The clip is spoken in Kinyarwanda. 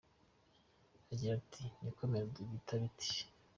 Agira ati “Ni ko Melodie bite bite.